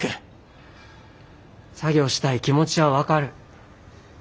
作業したい気持ちは分かる。